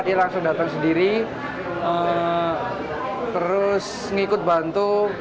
dia langsung datang sendiri terus ngikut bantu